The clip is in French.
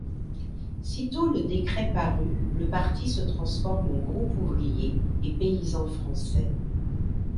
Sitôt le décret paru, le parti se transforme en Groupe ouvrier et paysan français.